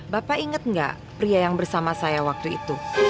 bapak inget gak pria yang bersama saya waktu itu